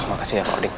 makasih ya pak oden